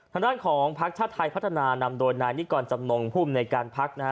ทางด้านของพักชาติไทยพัฒนานำโดยนายนิกรจำนงภูมิในการพักนะฮะ